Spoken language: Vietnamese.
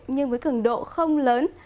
nhưng với khẩn độ không lớn